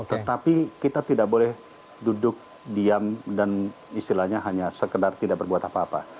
tetapi kita tidak boleh duduk diam dan istilahnya hanya sekedar tidak berbuat apa apa